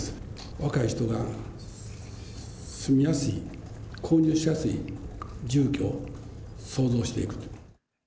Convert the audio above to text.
若い人が住みやすい、購入しやすい住居を創造していくと。